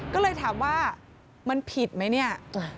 ก็เลยถามว่ามันผิดไหมเนี่ย